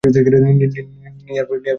নীহার বললে, না, তাও চলে না।